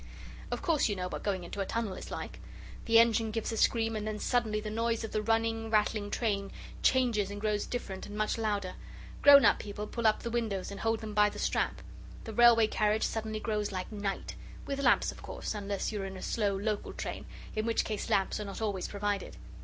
Of course you know what going into a tunnel is like? The engine gives a scream and then suddenly the noise of the running, rattling train changes and grows different and much louder. Grown up people pull up the windows and hold them by the strap. The railway carriage suddenly grows like night with lamps, of course, unless you are in a slow local train, in which case lamps are not always provided.